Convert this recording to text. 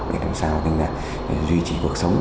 để làm sao duy trì cuộc sống